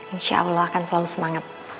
insya allah akan selalu semangat